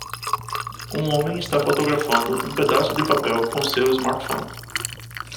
Um homem está fotografando um pedaço de papel com seu smartphone.